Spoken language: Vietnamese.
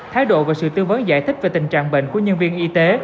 thái độ và sự tư vấn giải thích về tình trạng bệnh của nhân viên y tế